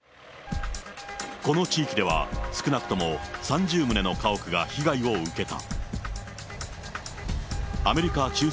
この地域では、少なくとも３０棟の家屋が被害を受けた。